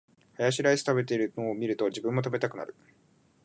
ハヤシライス食べてるの見ると、自分も食べたくなる